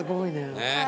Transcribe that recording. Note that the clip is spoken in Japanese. ねえ。